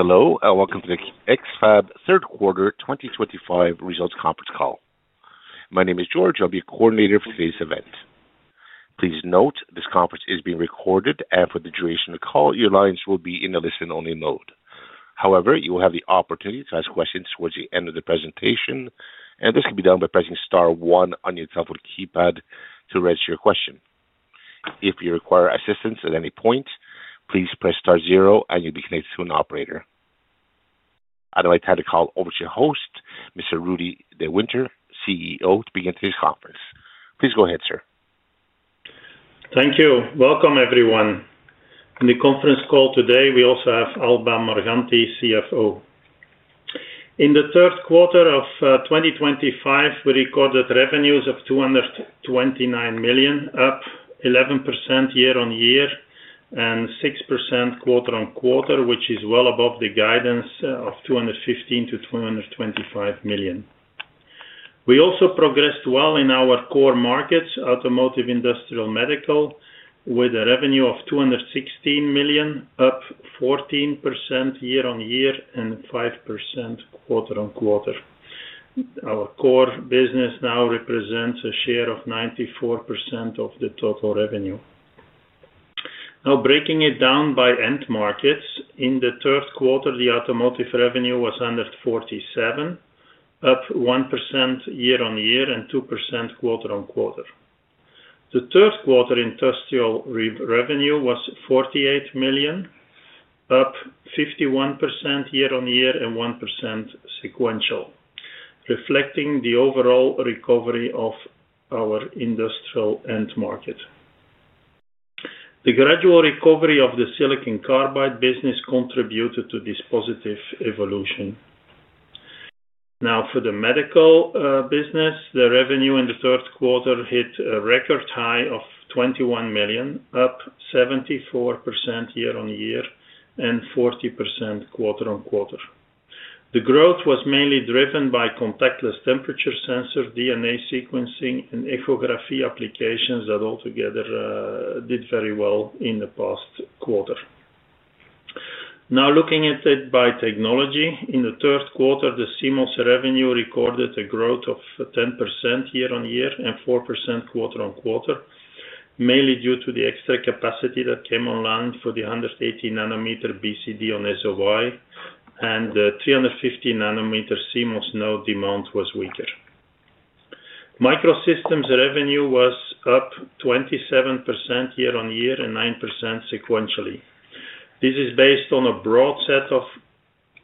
Hello, and welcome to the X-FAB third quarter 2025 results conference call. My name is George. I'll be your coordinator for today's event. Please note this conference is being recorded, and for the duration of the call, your lines will be in a listen-only mode. However, you will have the opportunity to ask questions towards the end of the presentation, and this can be done by pressing star one on your telephone keypad to register your question. If you require assistance at any point, please press star zero, and you'll be connected to an operator. I'd like to hand the call over to your host, Mr. Rudi De Winter, CEO, to begin today's conference. Please go ahead, sir. Thank you. Welcome, everyone. In the conference call today, we also have Alba Morganti, CFO. In the third quarter of 2025, we recorded revenues of $229 million, up 11% year-on-year and 6% quarter-on-quarter, which is well above the guidance of $215 million-$225 million. We also progressed well in our core markets, automotive, industrial, and medical, with a revenue of $216 million, up 14% year-on-year and 5% quarter-on-quarter. Our core business now represents a share of 94% of the total revenue. Now, breaking it down by end markets, in the third quarter, the automotive revenue was $147 million, up 1% year-on-year and 2% quarter-on-quarter. The third quarter industrial revenue was $48 million, up 51% year-on-year and 1% sequentially, reflecting the overall recovery of our industrial end market. The gradual recovery of the silicon carbide business contributed to this positive evolution. Now, for the medical business, the revenue in the third quarter hit a record high of $21 million, up 74% year-on-year and 40% quarter-on-quarter. The growth was mainly driven by contactless temperature sensor, DNA sequencing, and echography applications that altogether did very well in the past quarter. Now, looking at it by technology, in the third quarter, the CMOS revenue recorded a growth of 10% year-on-year and 4% quarter-on-quarter, mainly due to the extra capacity that came online for the 180 nm BCD-on-SOI, and the 350 nm CMOS node demand was weaker. Microsystems revenue was up 27% year-on-year and 9% sequentially. This is based on a broad set of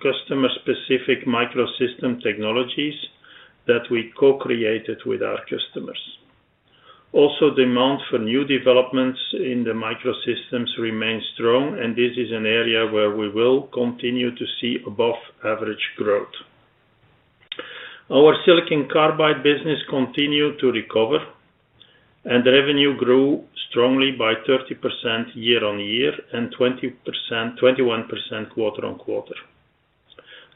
customer-specific microsystem technologies that we co-created with our customers. Also, demand for new developments in the microsystems remains strong, and this is an area where we will continue to see above-average growth. Our silicon carbide business continued to recover, and the revenue grew strongly by 30% year-on-year and 21% quarter-on-quarter.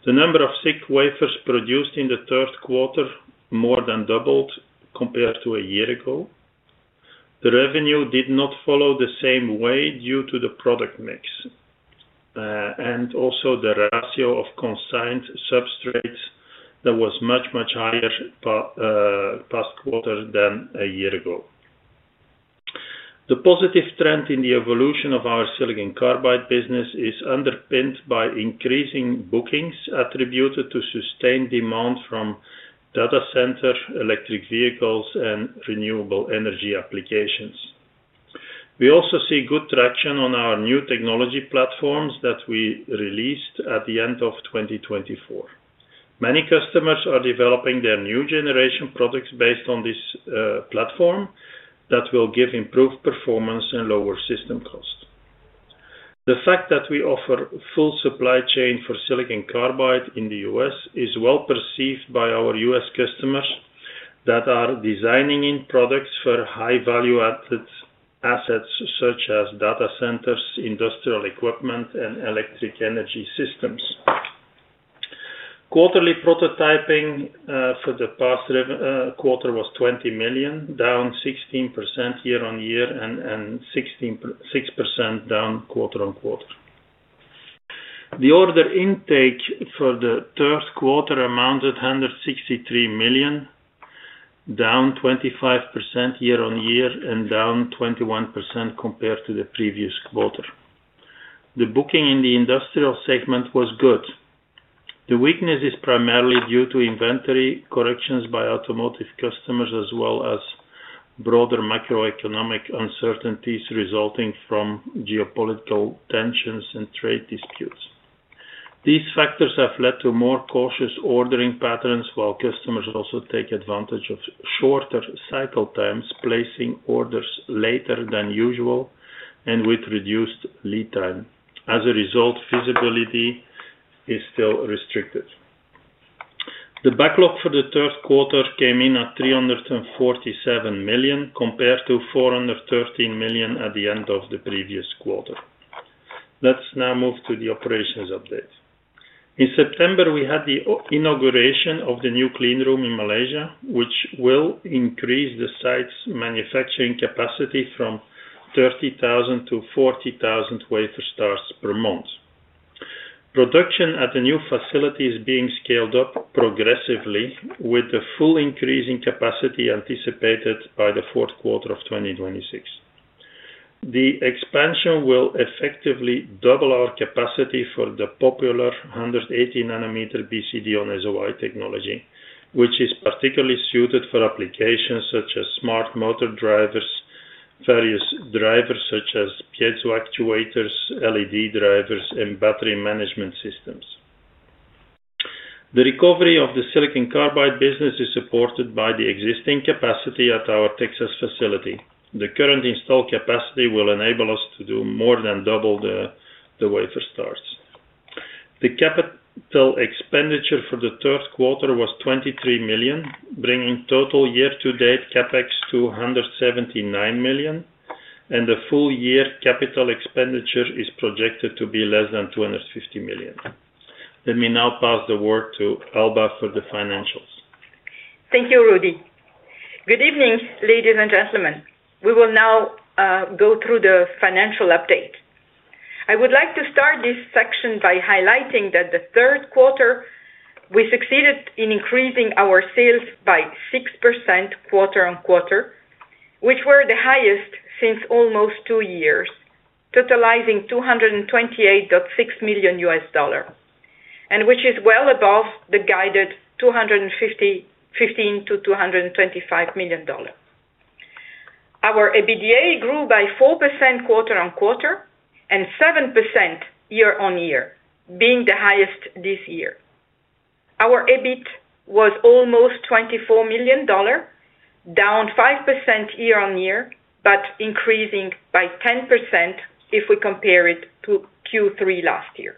The number of SiC wafers produced in the third quarter more than doubled compared to a year ago. The revenue did not follow the same way due to the product mix, and also, the ratio of consigned substrates was much, much higher past quarter than a year ago. The positive trend in the evolution of our silicon carbide business is underpinned by increasing bookings attributed to sustained demand from data centers, electric vehicles, and renewable energy applications. We also see good traction on our new technology platforms that we released at the end of 2024. Many customers are developing their new generation products based on this platform that will give improved performance and lower system cost. The fact that we offer full supply chain for silicon carbide in the U.S. is well perceived by our U.S. customers that are designing in products for high-value-added assets such as data centers, industrial equipment, and electric energy systems. Quarterly prototyping for the past quarter was $20 million, down 16% year-on-year and 6% down quarter-on-quarter. The order intake for the third quarter amounted to $163 million, down 25% year-on-year and down 21% compared to the previous quarter. The booking in the industrial segment was good. The weakness is primarily due to inventory corrections by automotive customers as well as broader macroeconomic uncertainties resulting from geopolitical tensions and trade disputes. These factors have led to more cautious ordering patterns, while customers also take advantage of shorter cycle times, placing orders later than usual and with reduced lead time. As a result, visibility is still restricted. The backlog for the third quarter came in at $347 million compared to $413 million at the end of the previous quarter. Let's now move to the operations update. In September, we had the inauguration of the new clean room in Malaysia, which will increase the site's manufacturing capacity from 30,000-40,000 wafer starts per month. Production at the new facility is being scaled up progressively, with the full increase in capacity anticipated by the fourth quarter of 2026. The expansion will effectively double our capacity for the popular 180 nm BCD-on-SOI technology, which is particularly suited for applications such as smart motor drivers, various drivers such as Piezo Actuators, LED drivers, and Battery Management Systems. The recovery of the silicon carbide business is supported by the existing capacity at our Texas facility. The current installed capacity will enable us to do more than double the wafer starts. The capital expenditure for the third quarter was $23 million, bringing total year-to-date CapEx to $179 million, and the full-year capital expenditure is projected to be less than $250 million. Let me now pass the word to Alba for the financials. Thank you, Rudi. Good evening, ladies and gentlemen. We will now go through the financial update. I would like to start this section by highlighting that the third quarter, we succeeded in increasing our sales by 6% quarter-on-quarter, which were the highest since almost two years, totalizing $228.6 million, and which is well above the guided $215 million-$225 million. Our EBITDA grew by 4% quarter-on-quarter and 7% year-on-year, being the highest this year. Our EBIT was almost $24 million, down 5% year-on-year, but increasing by 10% if we compare it to Q3 last year.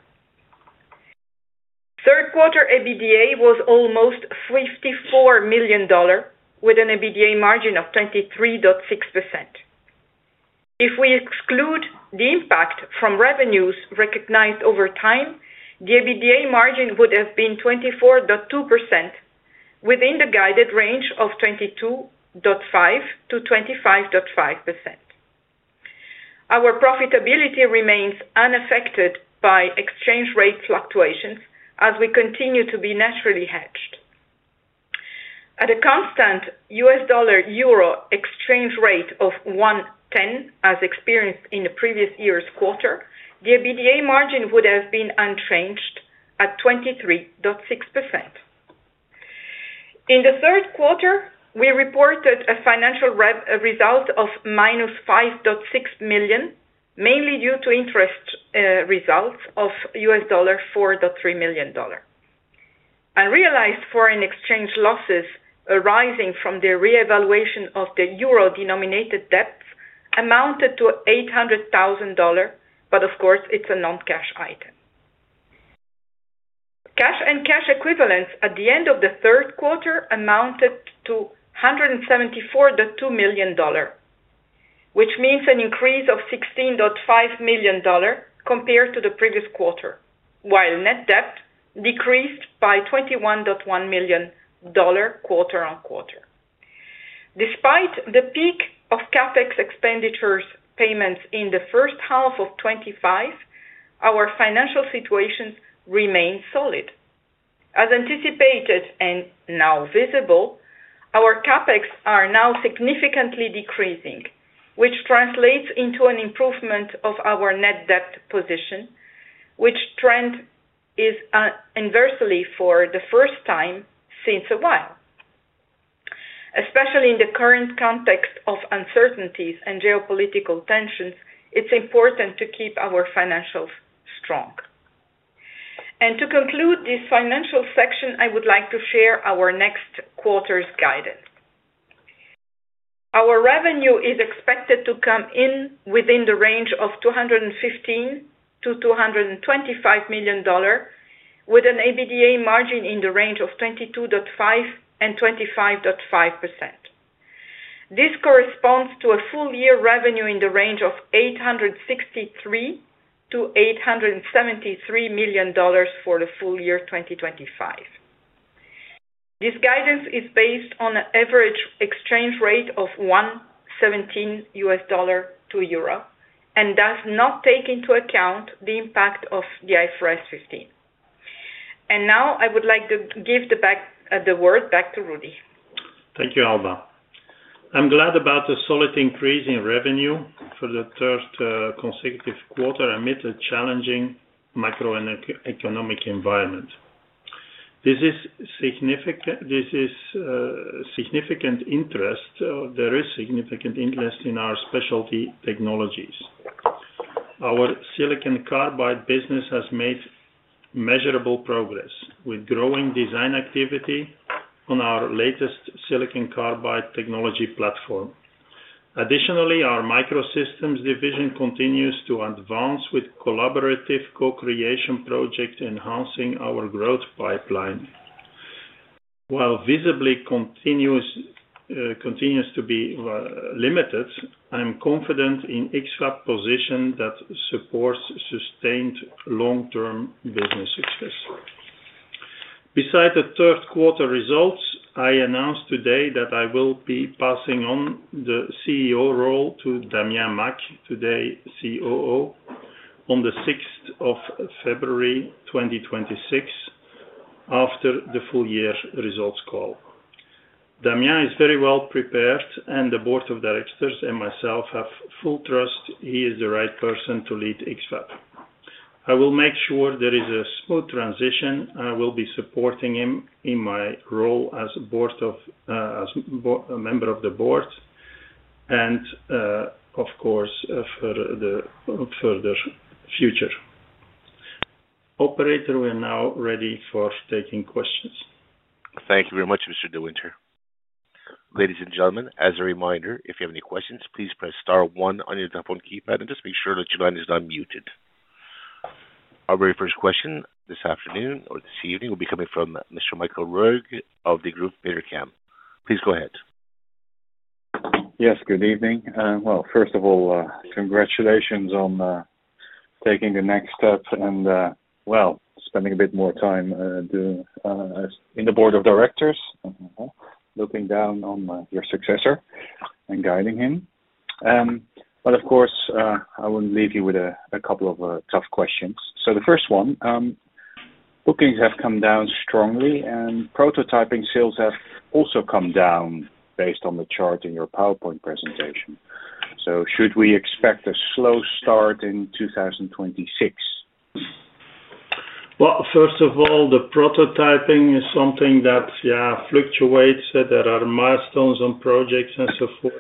Third quarter EBITDA was almost $54 million, with an EBITDA margin of 23.6%. If we exclude the impact from revenues recognized over time, the EBITDA margin would have been 24.2%, within the guided range of 22.5% to 25.5%. Our profitability remains unaffected by exchange rate fluctuations as we continue to be naturally hedged. At a constant U.S. dollar/euro exchange rate of 1.10, as experienced in the previous year's quarter, the EBITDA margin would have been unchanged at 23.6%. In the third quarter, we reported a financial result of -$5.6 million, mainly due to interest results of $4.3 million. Unrealized foreign exchange losses arising from the reevaluation of the euro-denominated debts amounted to $800,000, but of course, it's a non-cash item. Cash and cash equivalents at the end of the third quarter amounted to $174.2 million, which means an increase of $16.5 million compared to the previous quarter, while net debt decreased by $21.1 million quarter-on-quarter. Despite the peak of CapEx expenditures payments in the first half of 2025, our financial situation remains solid. As anticipated and now visible, our CapEx are now significantly decreasing, which translates into an improvement of our net debt position, which trend is inversely for the first time since a while. Especially in the current context of uncertainties and geopolitical tensions, it's important to keep our financials strong. To conclude this financial section, I would like to share our next quarter's guidance. Our revenue is expected to come in within the range of $215 million-$225 million, with an EBITDA margin in the range of 22.5% and 25.5%. This corresponds to a full-year revenue in the range of $863 million-$873 million for the full year 2025. This guidance is based on an average exchange rate of 1.17 U.S. dollars to euro and does not take into account the impact of the IFRS 15. Now, I would like to give the word back to Rudi. Thank you, Alba. I'm glad about the solid increase in revenue for the third consecutive quarter amid a challenging macroeconomic environment. There is significant interest in our specialty technologies. Our silicon carbide business has made measurable progress with growing design activity on our latest silicon carbide technology platform. Additionally, our microsystems division continues to advance with collaborative co-creation projects, enhancing our growth pipeline. While visibility continues to be limited, I'm confident in X-FAB's position that supports sustained long-term business success. Beside the third quarter results, I announced today that I will be passing on the CEO role to Damien Macq, today COO, on the 6th of February 2026, after the full year results call. Damien is very well prepared, and the board of directors and myself have full trust he is the right person to lead X-FAB. I will make sure there is a smooth transition. I will be supporting him in my role as a member of the board. Of course, for the further future. Operator, we are now ready for taking questions. Thank you very much, Mr. De Winter. Ladies and gentlemen, as a reminder, if you have any questions, please press star one on your telephone keypad and just make sure that your line is not muted. Our very first question this afternoon or this evening will be coming from Mr. Michael Roeg of Degroof Petercam. Please go ahead. Good evening. First of all, congratulations on taking the next step and spending a bit more time in the Board of Directors, looking down on your successor and guiding him. Of course, I wouldn't leave you with a couple of tough questions. The first one: bookings have come down strongly, and prototyping sales have also come down based on the chart in your PowerPoint presentation. Should we expect a slow start in 2026? First of all, the prototyping is something that fluctuates. There are milestones on projects and so forth.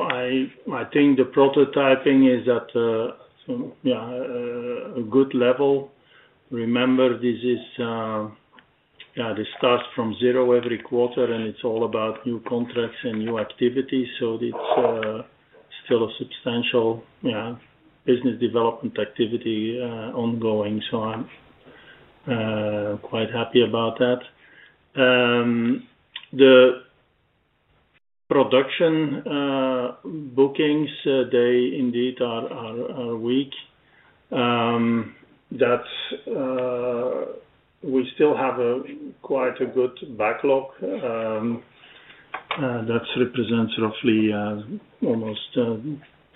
I think the prototyping is at a good level. Remember, this starts from zero every quarter, and it's all about new contracts and new activities. It's still a substantial business development activity ongoing. I'm quite happy about that. The production bookings, they indeed are weak. We still have quite a good backlog that represents roughly almost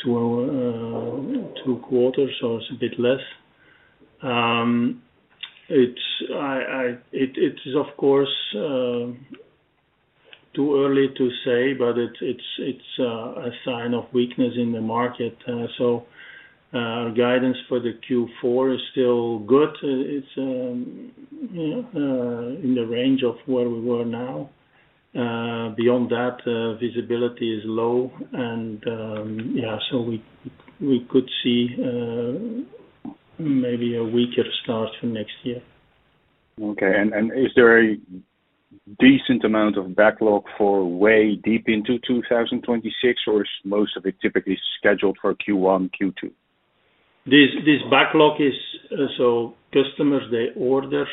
two quarters, so it's a bit less. It is, of course, too early to say, but it's a sign of weakness in the market. Guidance for the Q4 is still good. It's in the range of where we were now. Beyond that, visibility is low. We could see maybe a weaker start for next year. Is there a decent amount of backlog for way deep into 2026, or is most of it typically scheduled for Q1, Q2? This backlog is so customers, they order.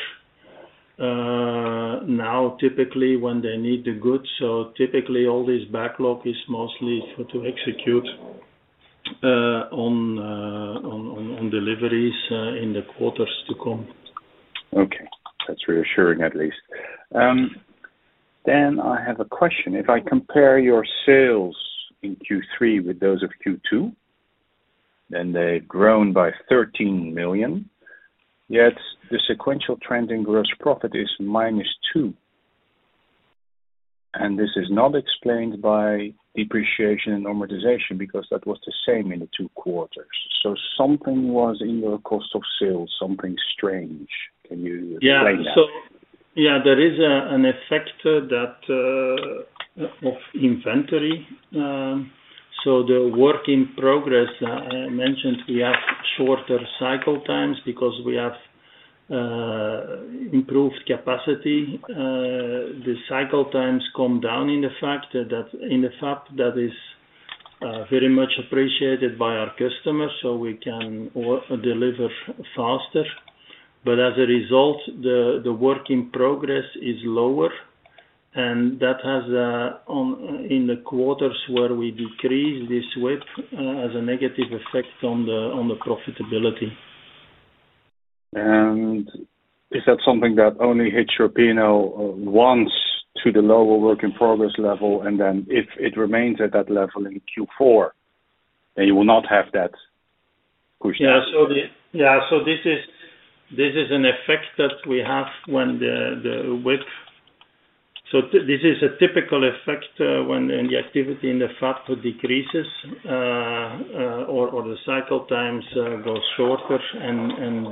Now typically when they need the goods, typically all this backlog is mostly to execute on deliveries in the quarters to come. Okay. That's reassuring at least. I have a question. If I compare your sales in Q3 with those of Q2, they've grown by $13 million, yet the sequential trend in gross profit is minus $2 million. This is not explained by depreciation and normalization because that was the same in the two quarters. Something was in your cost of sales, something strange. Can you explain that? Yeah, there is an effect of inventory. The work in progress, I mentioned, we have shorter cycle times because we have improved capacity. The cycle times come down, and that is very much appreciated by our customers, so we can deliver faster. As a result, the work in progress is lower, and that has, in the quarters where we decrease this WIP, a negative effect on the profitability. Is that something that only hits your P&L once to the lower work in progress level, and if it remains at that level in Q4, you will not have that push down? Yeah. This is an effect that we have when the WIP. This is a typical effect when the activity in the FAB decreases or the cycle times go shorter, and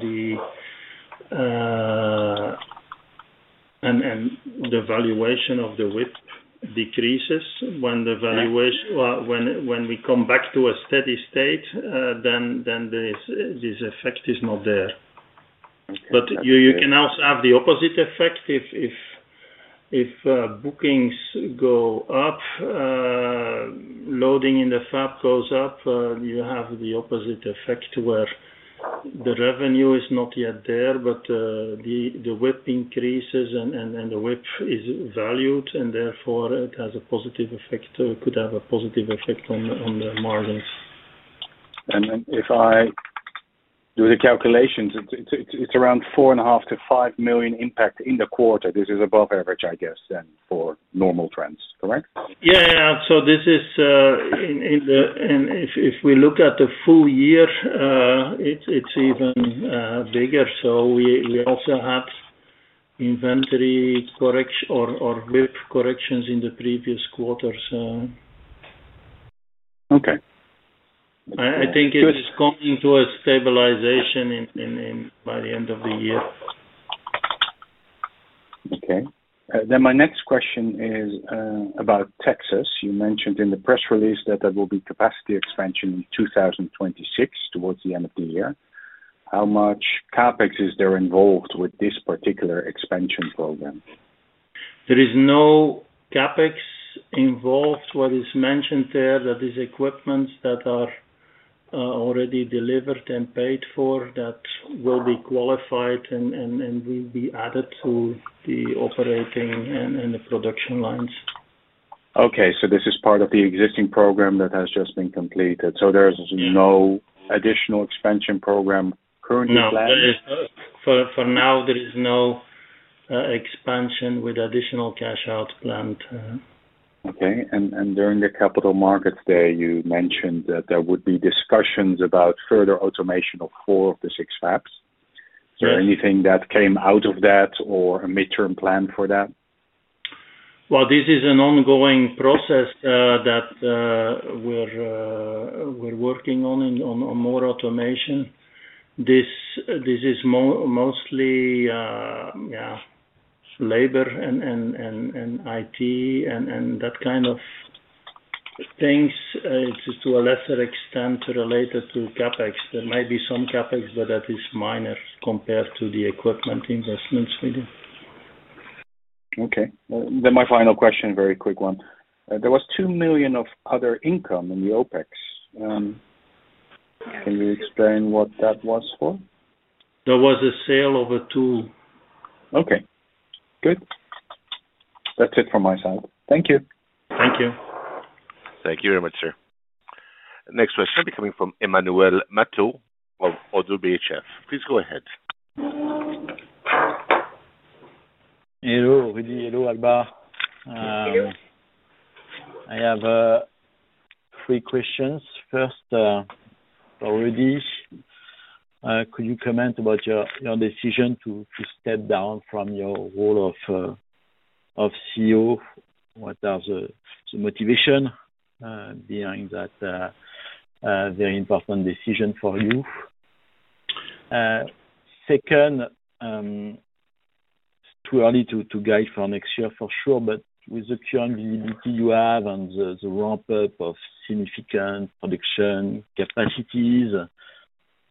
the valuation of the WIP decreases. When we come back to a steady state, then this effect is not there. You can also have the opposite effect if bookings go up. Loading in the FAB goes up, you have the opposite effect where the revenue is not yet there, but the WIP increases and the WIP is valued, and therefore it has a positive effect, could have a positive effect on the margins. If I do the calculations, it's around $4.5 million-$5 million impact in the quarter. This is above average, I guess, for normal trends, correct? Yeah. This is, if we look at the full year, it's even bigger. We also have inventory correction or WIP corrections in the previous quarters. Okay. I think it's coming to a stabilization by the end of the year. Okay. My next question is about Texas. You mentioned in the press release that there will be capacity expansion in 2026 towards the end of the year. How much CapEx is there involved with this particular expansion program? There is no CapEx involved. What is mentioned there, that is equipment that are already delivered and paid for, that will be qualified and will be added to the operating and the production lines. Okay. This is part of the existing program that has just been completed. There's no additional expansion program currently planned? No. For now, there is no expansion with additional cash out planned. Okay. During the capital markets day, you mentioned that there would be discussions about further automation of four of the six FABs. Is there anything that came out of that or a midterm plan for that? This is an ongoing process that we're working on, on more automation. This is mostly labor and IT and that kind of things. It's to a lesser extent related to CapEx. There might be some CapEx, but that is minor compared to the equipment investments we do. Okay. My final question, very quick one. There was $2 million of other income in the OpEx. Can you explain what that was for? There was a sale of a tool. Okay. Good. That's it from my side. Thank you. Thank you. Thank you very much, sir. Next question will be coming from Emmanuel Matot of ODDO BHF. Please go ahead. Hello, Rudi. Hello, Alba. Hello. I have three questions. First, for Rudi. Could you comment about your decision to step down from your role of CEO? What are the motivations behind that very important decision for you? Second, it's too early to guide for next year for sure, but with the current visibility you have and the ramp-up of significant production capacities,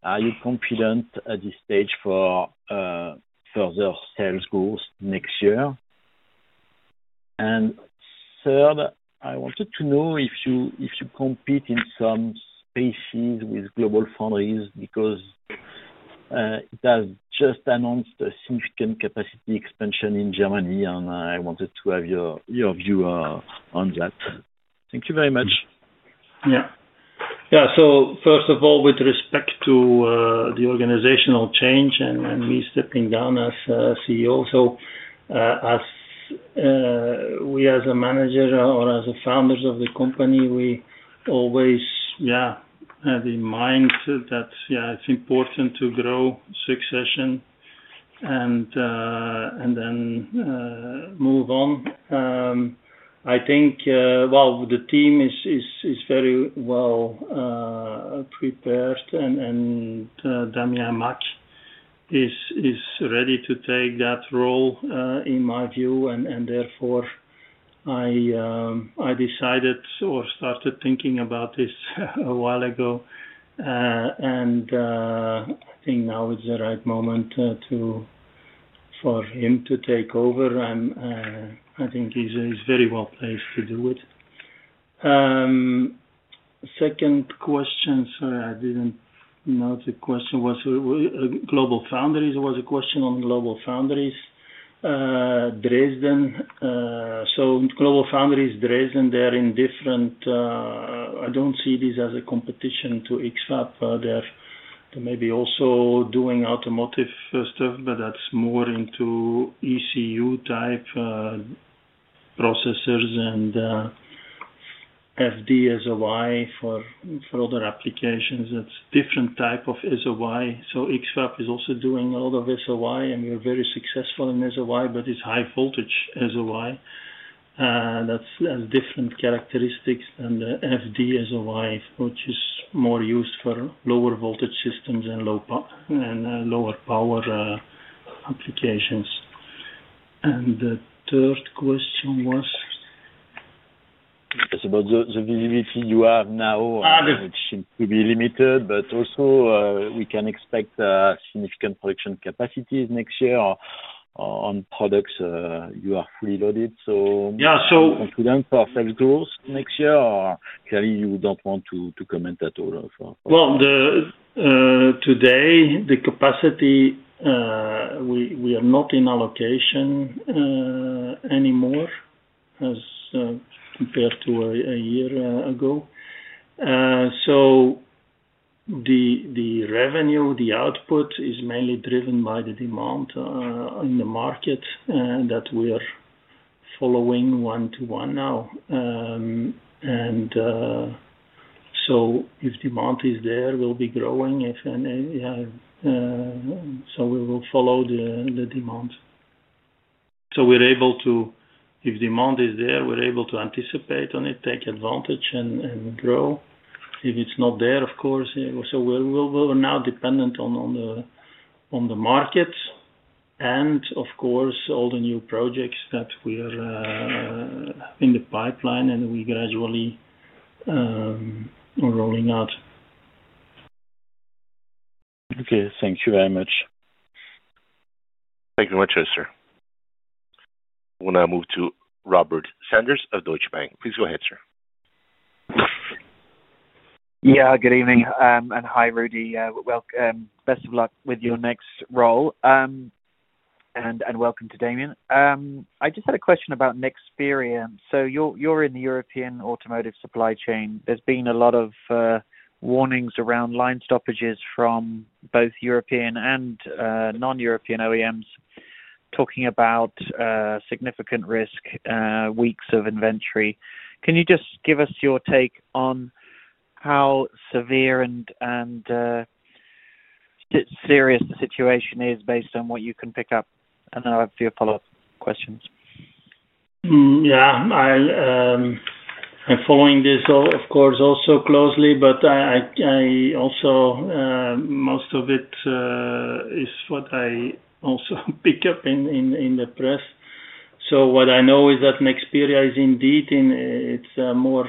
are you confident at this stage for further sales goals next year? Third, I wanted to know if you compete in some spaces with GlobalFoundries because it has just announced a significant capacity expansion in Germany, and I wanted to have your view on that. Thank you very much. Yeah. First of all, with respect to the organizational change and me stepping down as CEO, as a manager or as a founder of the company, we always had in mind that it's important to grow succession and move on. I think the team is very well prepared, and Damien Macq is ready to take that role, in my view. Therefore, I decided or started thinking about this a while ago. I think now is the right moment for him to take over, and I think he's very well placed to do it. Second question, sorry, I didn't know the question was GlobalFoundries. There was a question on GlobalFoundries, Dresden. GlobalFoundries, Dresden, they're in different. I don't see this as a competition to X-FAB. They're maybe also doing automotive stuff, but that's more into ECU type processors and FD SOI for other applications. It's different type of SOI. X-FAB is also doing a lot of SOI, and we're very successful in SOI, but it's high voltage SOI. That has different characteristics than the FD SOI, which is more used for lower voltage systems and lower power applications. The third question was. It's about the visibility you have now. It seems to be limited, but also we can expect significant production capacities next year. On products, you are fully loaded. Yeah. So. Confidence or sales goals next year? Clearly, you don't want to comment at all? Today, the capacity, we are not in allocation anymore as compared to a year ago. The revenue, the output is mainly driven by the demand in the market that we're following one-to-one now. If demand is there, we'll be growing. We will follow the demand. We're able to, if demand is there, we're able to anticipate on it, take advantage, and grow. If it's not there, of course, we're now dependent on the market. Of course, all the new projects that we are in the pipeline and we gradually are rolling out. Thank you very much. Thank you very much as well. I'm going to move to Robert Sanders of Deutsche Bank. Please go ahead, sir. Good evening. Hi, Rudi. Best of luck with your next role, and welcome to Damien. I just had a question about Nexperia. You're in the European automotive supply chain. There's been a lot of warnings around line stoppages from both European and non-European OEMs, talking about significant risk, weeks of inventory. Can you give us your take on how severe and serious the situation is based on what you can pick up? I'll have a few follow-up questions. Yeah, I'm following this, of course, also closely. Most of it is what I also pick up in the press. What I know is that Nexperia is indeed, it's more,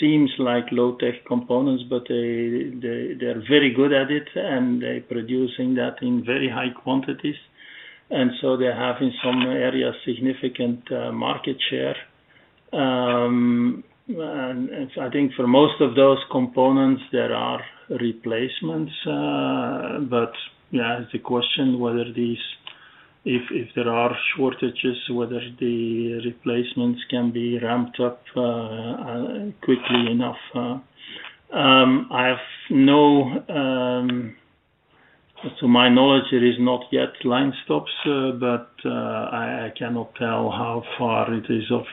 seems like low-tech components, but they're very good at it, and they're producing that in very high quantities. They have in some areas significant market share. I think for most of those components, there are replacements. It's a question whether these, if there are shortages, whether the replacements can be ramped up quickly enough. To my knowledge, there is not yet line stops, but I cannot tell how far it is off.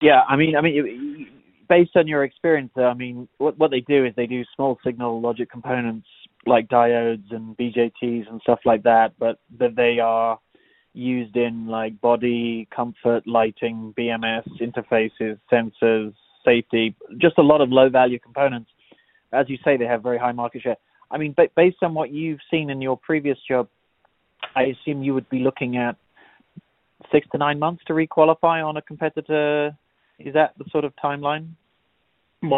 Yeah. I mean, based on your experience, what they do is they do small signal logic components like diodes and BJTs and stuff like that, but they are used in body comfort, lighting, BMS interfaces, sensors, safety, just a lot of low-value components. As you say, they have very high market share. I mean, based on what you've seen in your previous job, I assume you would be looking at six to nine months to requalify on a competitor. Is that the sort of timeline? If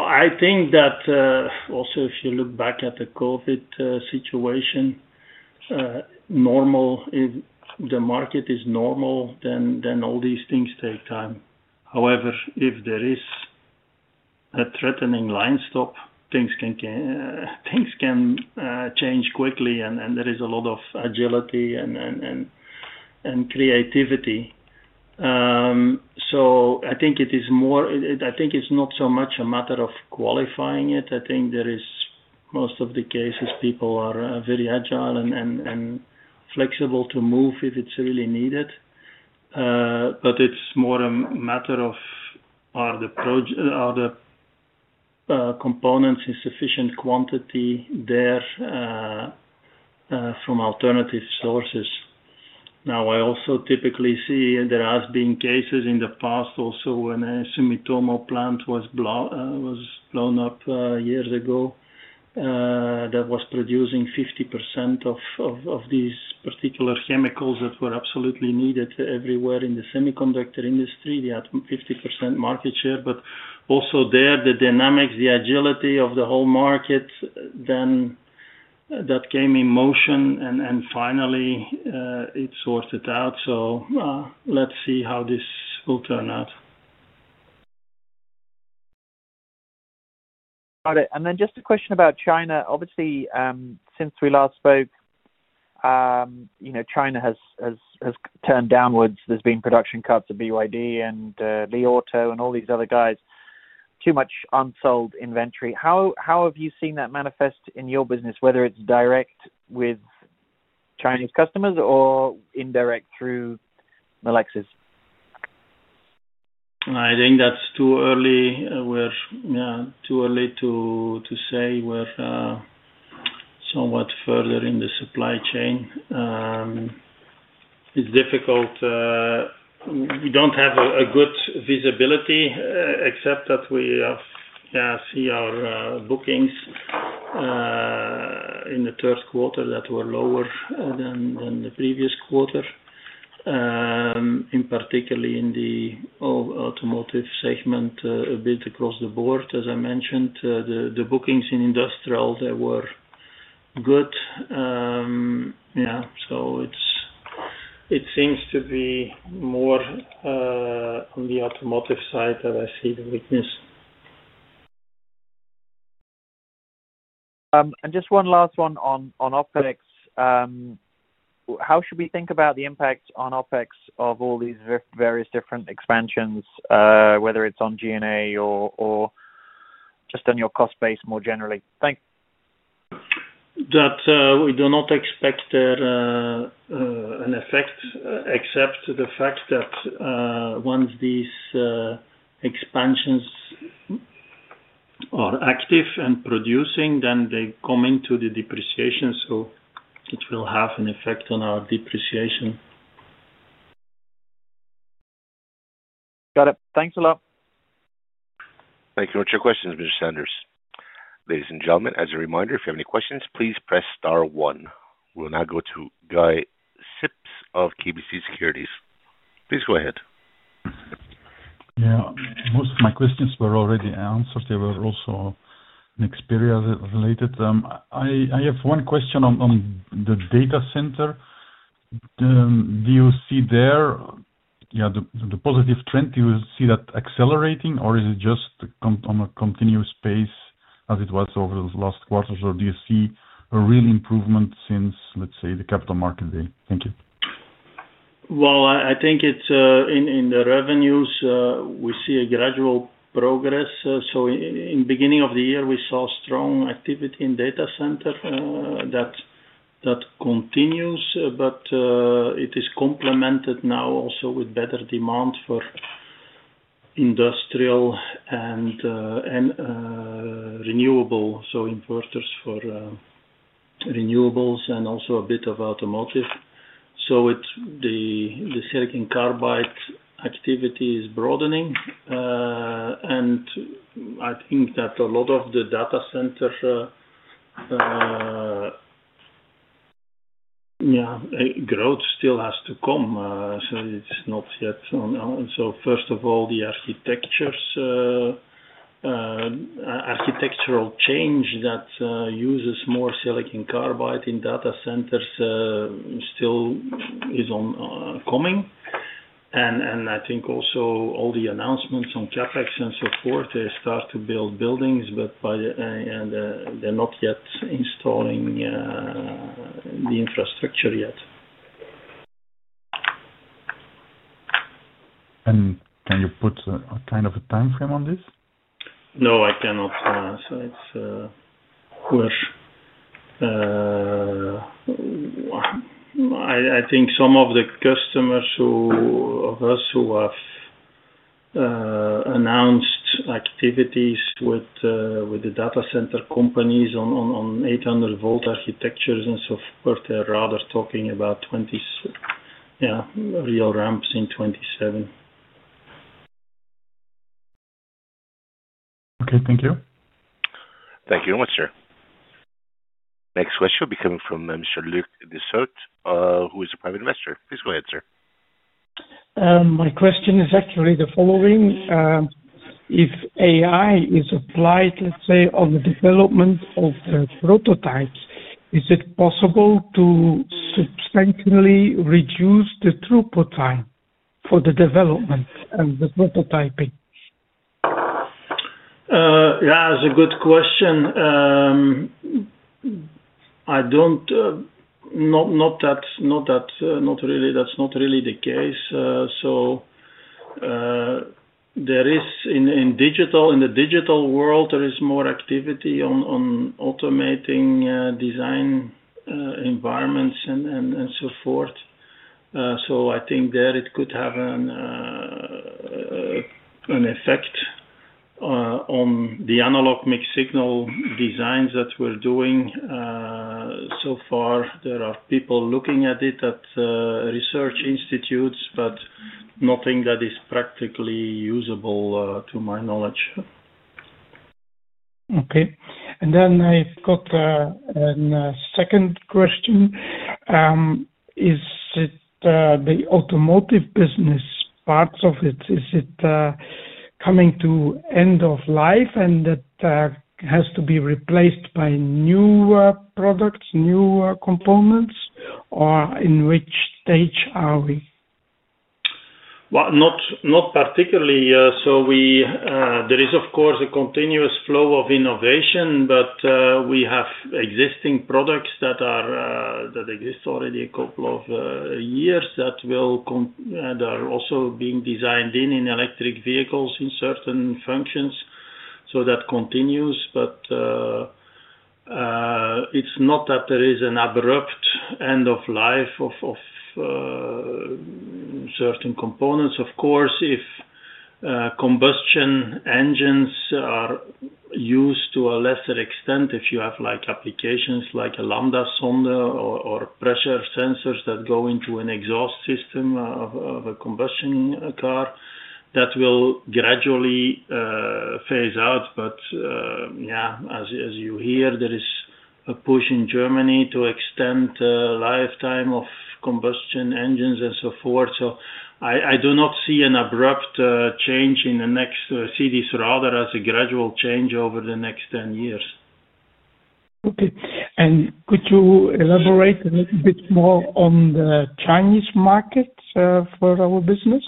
you look back at the COVID situation, if the market is normal, then all these things take time. However, if there is a threatening line stop, things can change quickly, and there is a lot of agility and creativity. I think it's not so much a matter of qualifying it. In most cases, people are very agile and flexible to move if it's really needed. It's more a matter of whether the components are in sufficient quantity from alternative sources. I also typically see there have been cases in the past, also when a Sumitomo plant was blown up years ago. That was producing 50% of these particular chemicals that were absolutely needed everywhere in the semiconductor industry. They had 50% market share. Also there, the dynamics, the agility of the whole market, then that came in motion, and finally it sorted out. Let's see how this will turn out. Got it. Just a question about China. Obviously, since we last spoke, China has turned downwards. There's been production cuts at BYD and Li Auto and all these other guys, too much unsold inventory. How have you seen that manifest in your business, whether it's direct with Chinese customers or indirect through Melexis? I think that's too early. Yeah, too early to say. We're somewhat further in the supply chain. It's difficult. We don't have good visibility except that we see our bookings in the third quarter that were lower than the previous quarter, particularly in the automotive segment, a bit across the board, as I mentioned. The bookings in industrial, they were good. Yeah. It seems to be more on the automotive side that I see the weakness. Just one last one on OpEx. How should we think about the impact on OpEx of all these various different expansions, whether it's on G&A or just on your cost base more generally? Thanks. That we do not expect an effect except the fact that once these expansions are active and producing, then they come into the depreciation. It will have an effect on our depreciation. Got it. Thanks a lot. Thank you very much for your questions, Mr. Sanders. Ladies and gentlemen, as a reminder, if you have any questions, please press star one. We'll now go to Guy Sips of KBC Securities. Please go ahead. Yeah. Most of my questions were already answered. They were also Nexperia related. I have one question on the data center. Do you see there the positive trend, do you see that accelerating, or is it just on a continuous pace as it was over the last quarters, or do you see a real improvement since, let's say, the capital market day? Thank you. I think in the revenues, we see a gradual progress. In the beginning of the year, we saw strong activity in data center. That continues, but it is complemented now also with better demand for industrial and renewable, so inverters for renewables and also a bit of automotive. The silicon carbide activity is broadening. I think that a lot of the data center growth still has to come. It's not yet on. First of all, the architectural change that uses more silicon carbide in data centers still is oncoming. I think also all the announcements on CapEx and so forth, they start to build buildings, but they're not yet installing the infrastructure yet. Can you put a kind of a timeframe on this? No, I cannot. I think some of the customers of us who have announced activities with the data center companies on 800-volt architectures and so forth, they're rather talking about real ramps in 2027. Okay, thank you. Thank you very much, sir. Next question will be coming from Mr. Luc De Sout, who is a private investor. Please go ahead, sir. My question is actually the following. If AI is applied, let's say, on the development of the prototypes, is it possible to substantially reduce the throughput time for the development and the prototyping? Yeah, that's a good question. That's not really the case. In the digital world, there is more activity on automating design environments and so forth. I think there it could have an effect. On the analog mixed signal designs that we're doing, so far there are people looking at it at research institutes, but nothing that is practically usable to my knowledge. Okay. I have a second question. Is it the automotive business, parts of it, is it coming to end of life and that has to be replaced by new products, new components, or in which stage are we? There is, of course, a continuous flow of innovation, but we have existing products that exist already a couple of years that are also being designed in electric vehicles in certain functions. That continues, but it's not that there is an abrupt end of life of certain components. Of course, if combustion engines are used to a lesser extent, if you have applications like a lambda sonder or pressure sensors that go into an exhaust system of a combustion car, that will gradually phase out. As you hear, there is a push in Germany to extend the lifetime of combustion engines and so forth. I do not see an abrupt change and see this rather as a gradual change over the next 10 years. Could you elaborate a little bit more on the Chinese market for our business?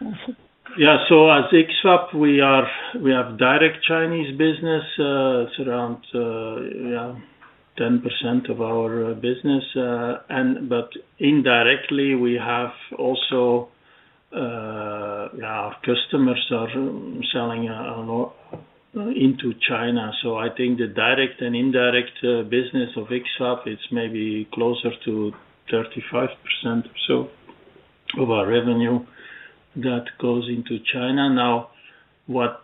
As X-FAB, we have direct Chinese business. It's around 10% of our business. Indirectly, we have also, yeah, our customers are selling into China. I think the direct and indirect business of X-FAB, it's maybe closer to 35% or so of our revenue that goes into China. What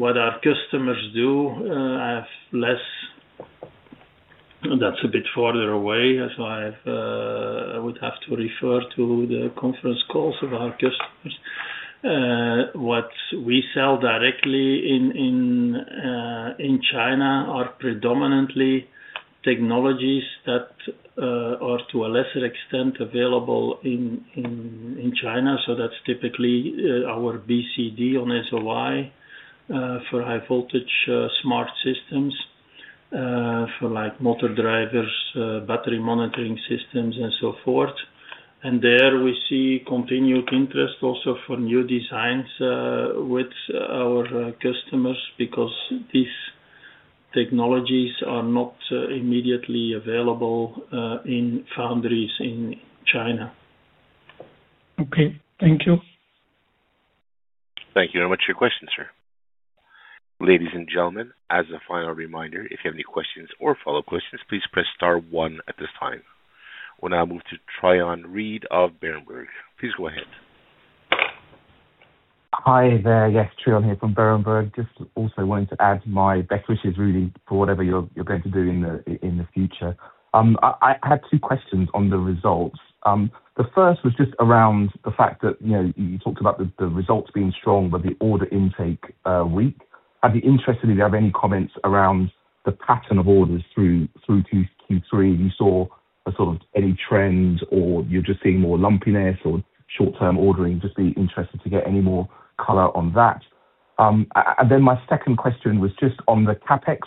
our customers do, I have less, that's a bit farther away. I would have to refer to the conference calls of our customers. What we sell directly in China are predominantly technologies that are to a lesser extent available in China. That's typically BCD-on-SOI for high voltage smart systems, for motor drivers, battery monitoring systems, and so forth. There we see continued interest also for new designs with our customers because these technologies are not immediately available in foundries in China. Okay, thank you. Thank you very much for your questions, sir. Ladies and gentlemen, as a final reminder, if you have any questions or follow-up questions, please press star one at this time. We'll now move to Trion Reid of Berenberg. Please go ahead. Hi, there. Yes, Trion here from Berenberg. Just also wanting to add my best wishes really for whatever you're going to do in the future. I had two questions on the results. The first was just around the fact that you talked about the results being strong, but the order intake weak. I'd be interested if you have any comments around the pattern of orders through Q3. You saw sort of any trends, or you're just seeing more lumpiness or short-term ordering. Just be interested to get any more color on that. My second question was just on the CapEx,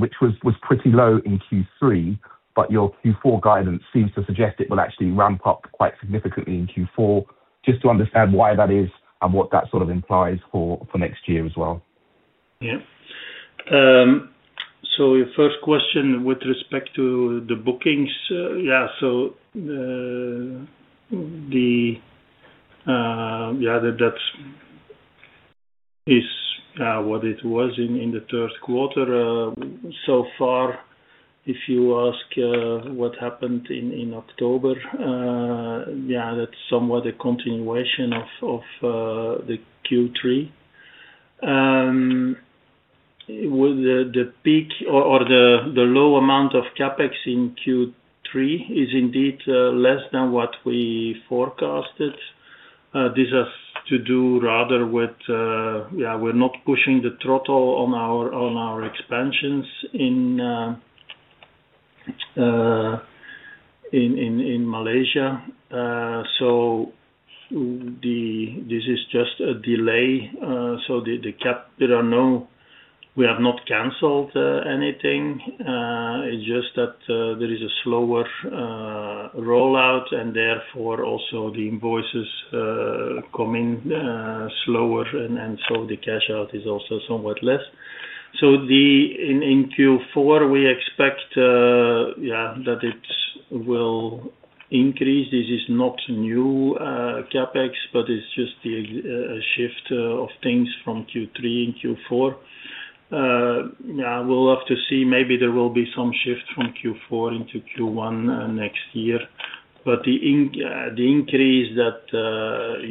which was pretty low in Q3, but your Q4 guidance seems to suggest it will actually ramp up quite significantly in Q4. Just to understand why that is and what that sort of implies for next year as well. Yeah, so your first question with respect to the bookings, yeah, that's what it was in the third quarter. If you ask what happened in October, that's somewhat a continuation of the Q3. The peak or the low amount of CapEx in Q3 is indeed less than what we forecasted. This has to do rather with we're not pushing the throttle on our expansions in Malaysia. This is just a delay. We have not canceled anything, it's just that there is a slower rollout, and therefore also the invoices come in slower, and so the cash out is also somewhat less. In Q4, we expect that it will increase. This is not new CapEx, but it's just a shift of things from Q3 in Q4. We'll have to see, maybe there will be some shift from Q4 into Q1 next year. The increase that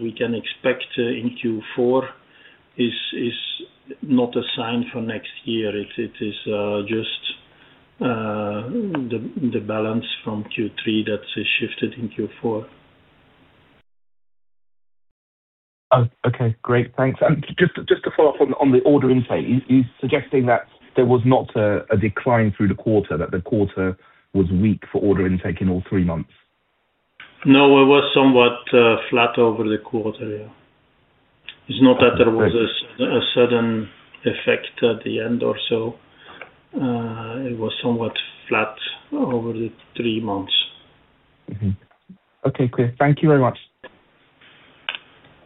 we can expect in Q4 is not a sign for next year. It is just the balance from Q3 that's shifted in Q4. Okay. Great. Thanks. Just to follow up on the order intake, you're suggesting that there was not a decline through the quarter, that the quarter was weak for order intake in all three months? No, it was somewhat flat over the quarter, yeah. It's not that there was a sudden effect at the end or so. It was somewhat flat over the three months. Okay, great. Thank you very much.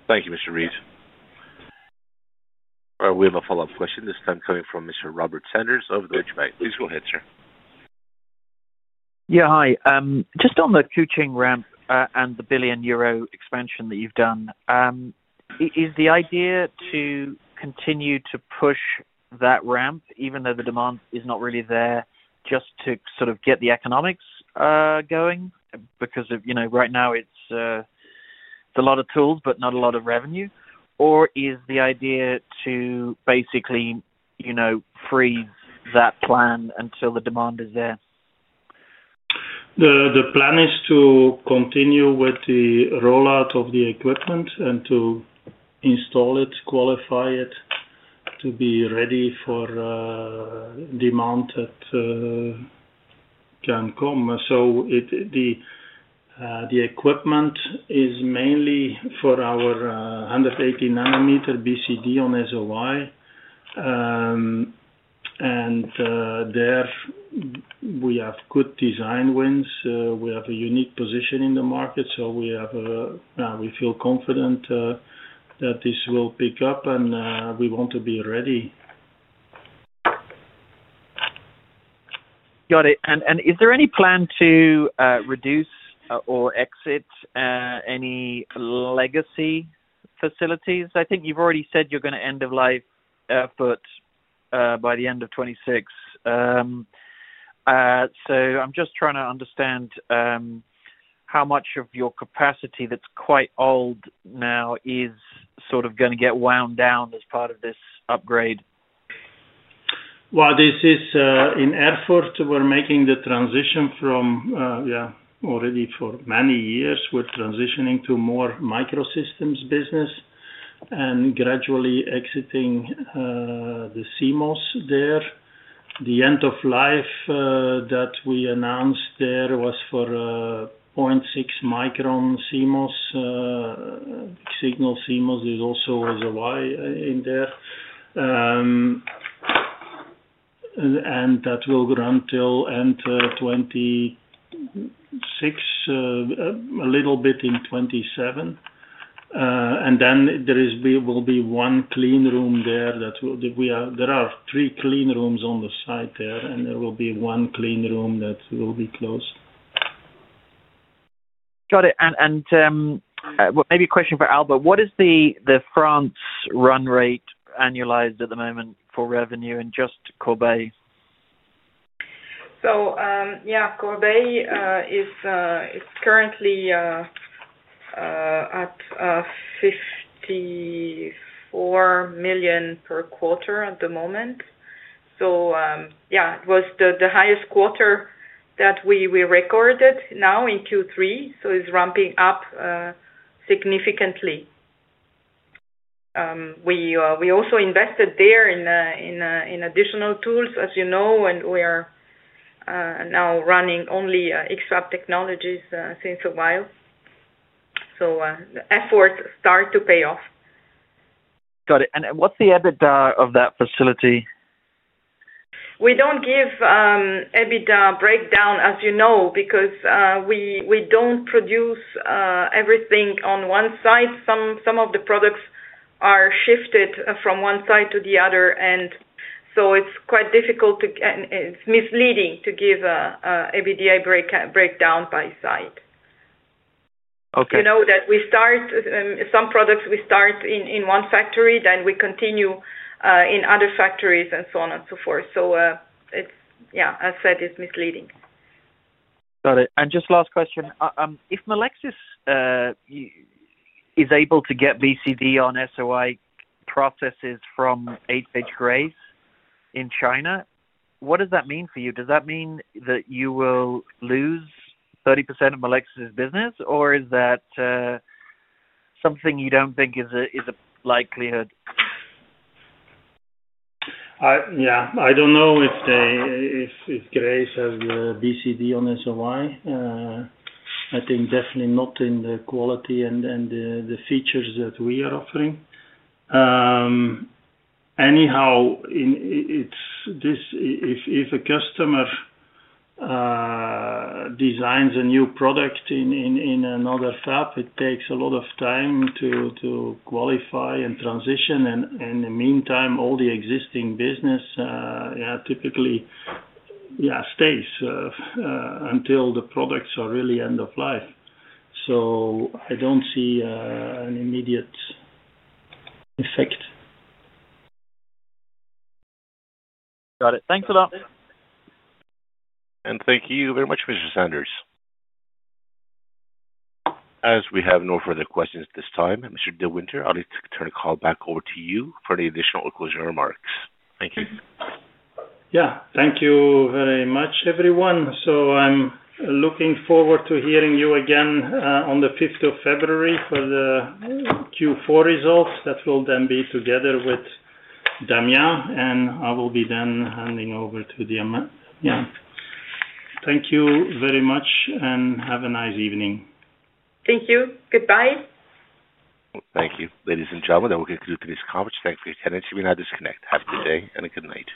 Thank you, Mr. Reid. We have a follow-up question. This time, coming from Mr. Robert Sanders of Deutsche Bank. Please go ahead, sir. Hi. Just on the Kuching ramp and the billion-euro expansion that you've done, is the idea to continue to push that ramp, even though the demand is not really there, just to sort of get the economics going? Because right now it's a lot of tools, but not a lot of revenue. Is the idea to basically freeze that plan until the demand is there? The plan is to continue with the rollout of the equipment and to install it, qualify it to be ready for demand that can come. The equipment is mainly for our 180 nm BCD-on-SOI. We have good design wins and a unique position in the market. We feel confident that this will pick up, and we want to be ready. Is there any plan to reduce or exit any legacy facilities? I think you've already said you're going to end of life effort by the end of 2026. I'm just trying to understand how much of your capacity that's quite old now is sort of going to get wound down as part of this upgrade. This is in effort. We're making the transition from, yeah, already for many years, we're transitioning to more microsystems business and gradually exiting the CMOS there. The end of life that we announced there was for 0.6-micron CMOS. Signal CMOS is also SOI in there, and that will run till end 2026, a little bit in 2027. Then there will be one clean room there that we have. There are three clean rooms on the site there, and there will be one clean room that will be closed. Got it. Maybe a question for Alba. What is the France run rate annualized at the moment for revenue and just Corbeil? Corbeil is currently at $54 million per quarter at the moment. It was the highest quarter that we recorded now in Q3, so it's ramping up significantly. We also invested there in additional tools, as you know, and we are now running only X-FAB Technologies since a while. The efforts start to pay off. Got it. What's the EBITDA of that facility? We don't give EBITDA breakdown, as you know, because we don't produce everything on one site. Some of the products are shifted from one site to the other, and it's quite difficult. It's misleading to give an EBITDA breakdown by site. Okay. You know that we start some products, we start in one factory, then we continue in other factories and so on and so forth. As I said, it's misleading. Got it. Just last question. If Melexis is able to get BCD-on-SOI processes from HHGrace in China, what does that mean for you? Does that mean that you will lose 30% of Melexis's business, or is that something you don't think is a likelihood? I don't know if HHGrace has the BCD-on-SOI. I think definitely not in the quality and the features that we are offering. Anyhow, if a customer designs a new product in another fab, it takes a lot of time to qualify and transition. In the meantime, all the existing business typically stays until the products are really end of life. I don't see an immediate effect. Got it. Thanks a lot. Thank you very much, Mr. Sanders. As we have no further questions at this time, Mr. De Winter, I'll turn the call back over to you for any additional closing remarks. Thank you. Thank you very much, everyone. I'm looking forward to hearing you again on the 5th of February for the Q4 results that will then be together with Damien. I will be then handing over to Damien. Thank you very much and have a nice evening. Thank you. Goodbye. Thank you. Ladies and gentlemen, that will conclude today's conference. Thank you for your attendance. You may now disconnect. Have a good day and a good night.